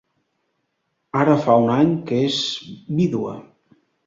Ara fa un any que és vídua.